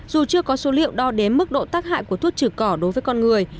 dù chưa có số liệu đo đếm mức độ tác hại của thuốc trừ cỏ đối với con người